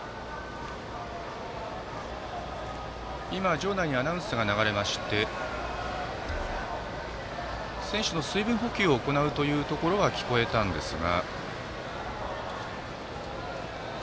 場内にアナウンスが流れまして選手の水分補給を行うということが聞こえたんですが。